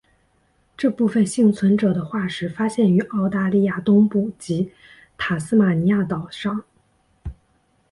这部分幸存者的化石发现于澳大利亚东部及塔斯马尼亚岛上。